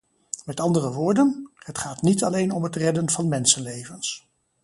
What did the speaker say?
Met andere woorden: het gaat niet alleen om het redden van mensenlevens.